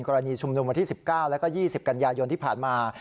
กรณีชมวันที่๑๙และ๒๐กันยายนที่ผ่านมา